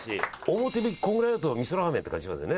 表向きこのぐらいだとみそラーメンって感じしますよね。